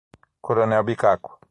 Coronel Bicaco